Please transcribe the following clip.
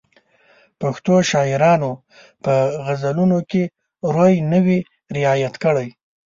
پښتو شاعرانو په غزلونو کې روي نه وي رعایت کړی.